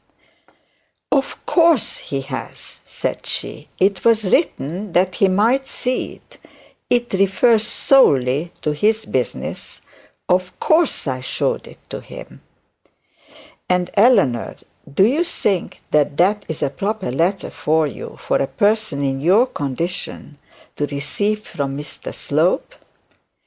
'Of course he has,' said she; 'it was written that he might see it. It refers solely to his business of course I showed it to him.' 'And Eleanor, do you think that that is a proper letter for you for a person in your condition to receive from Mr Slope?'